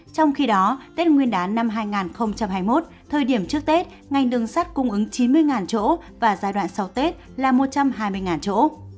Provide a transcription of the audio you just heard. trong khi đó tết nguyên đán năm hai nghìn hai mươi một thời điểm trước tết ngành đường sắt cung ứng chín mươi chỗ và giai đoạn sau tết là một trăm hai mươi chỗ